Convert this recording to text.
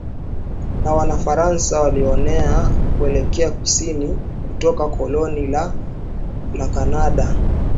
na Wafaransa walioenea kuelekea kusini kutoka koloni lao la Kanada QuebecKatika umri mdogo